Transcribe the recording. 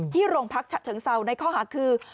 ที่โรงพักษณ์ฉะเชิงเซาในข้อหากคือ